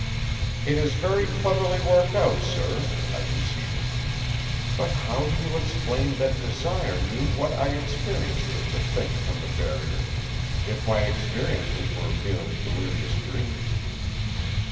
"It is very cleverly worked out, sir," I conceded. "But how do you explain that Desire knew what I experienced with the Thing from the Barrier, if my experiences were merely delirious dreams?"